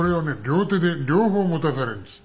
両手で両方持たされるんです。